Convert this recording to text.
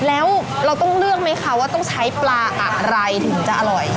แล้วเราต้องเลือกไหมคะว่าต้องใช้ปลาอะไรถึงจะอร่อย